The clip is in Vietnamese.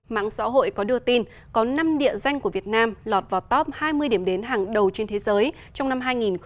mạng xã hội có đưa tin có năm địa danh của việt nam lọt vào top hai mươi điểm đến hàng đầu trên thế giới trong năm hai nghìn hai mươi